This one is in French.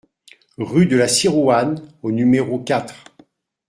Rue de la Sirouanne au numéro quatre